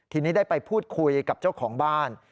ทีนี้ได้ไปพูดคุยกับเจ้าของบ้าน